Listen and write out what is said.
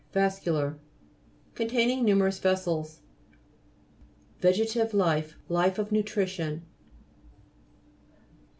VAS'CULAR Containing numerous VEGETATIVE LIFE Life of nutrition.